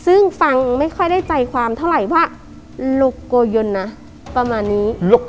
ซึ่งฟังไม่ค่อยได้ใจความเท่าไหร่ว่าประมาณนี้